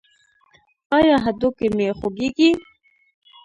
ایا هډوکي مو خوږیږي؟